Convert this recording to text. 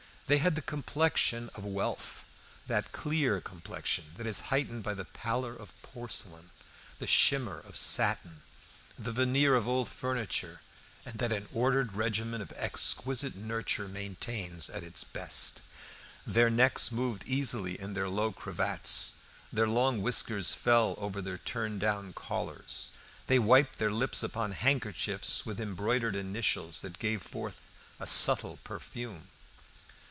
They had the complexion of wealth that clear complexion that is heightened by the pallor of porcelain, the shimmer of satin, the veneer of old furniture, and that an ordered regimen of exquisite nurture maintains at its best. Their necks moved easily in their low cravats, their long whiskers fell over their turned down collars, they wiped their lips upon handkerchiefs with embroidered initials that gave forth a subtle perfume.